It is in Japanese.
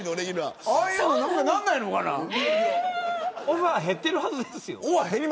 オファー減ってるはずですよ。